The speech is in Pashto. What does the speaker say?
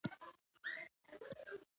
هغه مقدس احساس هم چې وايي-